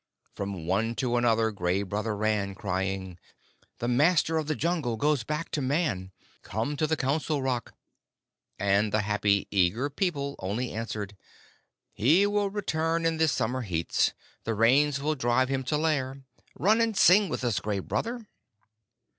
From one to another Gray Brother ran, crying, "The Master of the Jungle goes back to Man! Come to the Council Rock." And the happy, eager People only answered, "He will return in the summer heats. The Rains will drive him to lair. Run and sing with us, Gray Brother."